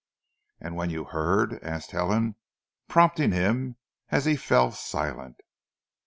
"And when you heard?" asked Helen prompting him as he fell silent.